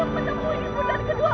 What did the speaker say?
aku banyak dosanya ya allah